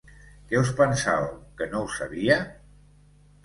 Què us pensàveu, que no ho sabia?